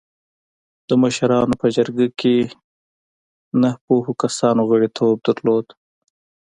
د مشرانو په جرګه کې نهه پوهو کسانو غړیتوب درلوده.